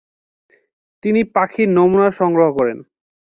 তিনি পাখির নমুনা সংগ্রহ করেন।